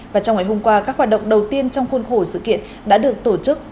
và trong ngày hôm qua các hoạt động đầu tiên trong khuôn khổ sự kiện đã được tổ chức